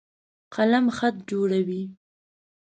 قلم خط جوړوي.